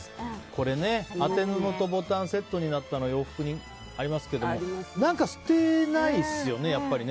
これね当て布とボタンセットになったの洋服にありますけど捨てないですよね、やっぱりね。